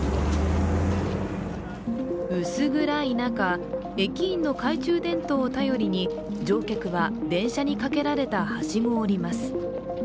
薄暗い中、駅員の懐中電灯を頼りに乗客は電車にかけられたはしごを降ります。